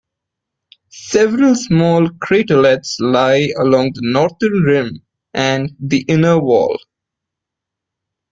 Several small craterlets lie along the northern rim and the inner wall.